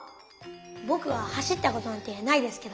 ぼくは走ったことなんてないですけど。